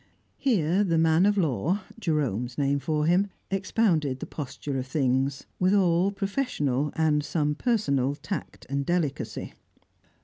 Here the man of law (Jerome's name for him) expounded the posture of things; with all professional, and some personal, tact and delicacy.